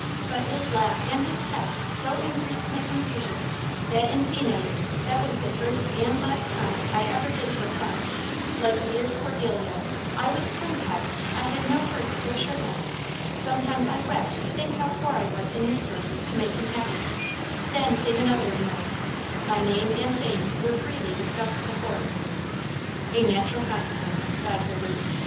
But his laugh and his test so increased my confusion that, in fine, that was the first and last time I ever did protest! Like Lear's Cordelia, I was tongue tied–I had no words to assure him. Sometimes I wept to think how poor I was in resources to make him happy Then came another annoyance–my name and fame were freely discussed at the fort." "A natural consequence," sighed Herbert.